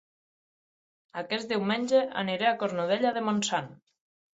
Aquest diumenge aniré a Cornudella de Montsant